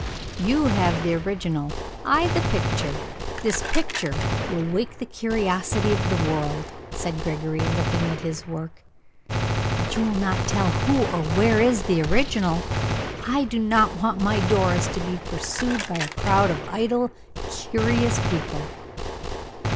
"You have the original; I the picture. This picture will wake the curiosity of the world," said Gregory, looking at his work. "But you will not tell who or where is the original? I do not wish my Doris to be pursued by a crowd of idle, curious people."